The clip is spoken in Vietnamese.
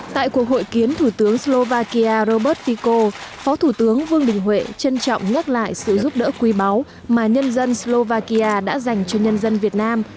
tại cuộc hội kiến thủ tướng slovakia robert fico phó thủ tướng vương đình huệ trân trọng nhắc lại sự giúp đỡ quý báu mà nhân dân slovakia đã dành cho nhân dân việt nam